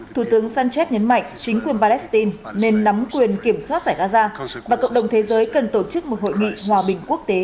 thủ tướng sánchez nhấn mạnh chính quyền palestine nên nắm quyền kiểm soát giải gaza và cộng đồng thế giới cần tổ chức một hội nghị hòa bình quốc tế